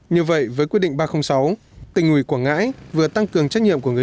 nhiều vậy với quyết định ba trăm linh sáu tình người quảng ngãi vừa tăng cường trách nhiệm của người